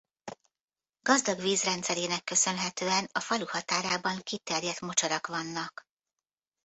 Gazdag vízrendszerének köszönhetően a falu határában kiterjedt mocsarak vannak.